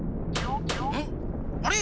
んっあれ？